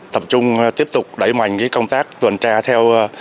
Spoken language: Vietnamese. tập trung tiếp tục đẩy mạnh công tác tuần tra theo